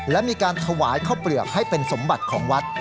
และมีการถวายข้าวเปลือกให้เป็นสมบัติของวัด